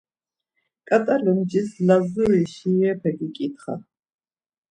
Ǩat̆a lumcis Lazuri şiirepe giǩitxa.